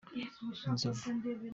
inzovu.